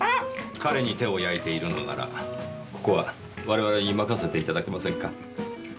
彼に手を焼いているのならここは我々に任せていただけませんか？